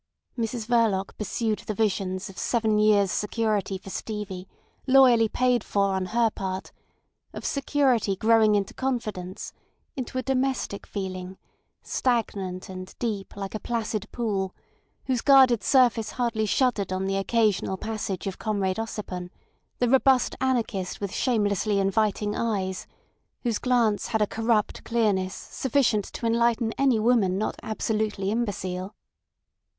Mrs Verloc pursued the visions of seven years' security for Stevie, loyally paid for on her part; of security growing into confidence, into a domestic feeling, stagnant and deep like a placid pool, whose guarded surface hardly shuddered on the occasional passage of Comrade Ossipon, the robust anarchist with shamelessly inviting eyes, whose glance had a corrupt clearness sufficient to enlighten any woman not absolutely imbecile.